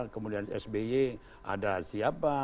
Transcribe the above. kemudian sby ada siapa